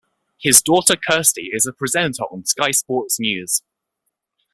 His daughter Kirsty is a presenter on Sky Sports News.